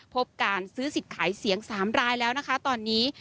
พบการซื้อสิทธิ์ขายเสียง๓รายแล้วนะคะตอนนี้